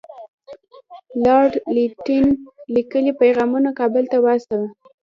لارډ لیټن لیکلی پیغام کابل ته واستاوه.